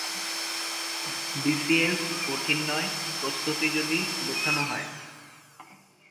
ইংল্যান্ডে তিনি খুব কমই সফলতা পান।